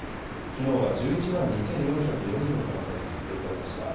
きのうは１１万２４０４人の感染が発表されました。